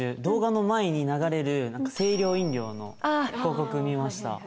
動画の前に流れる清涼飲料の広告見ました。